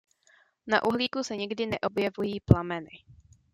Na uhlíku se nikdy neobjevují plameny.